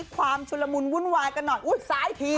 ชุลมุนวุ่นวายกันหน่อยอุ๊ยซ้ายที